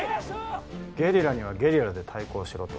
ゲリラにはゲリラで対抗しろと？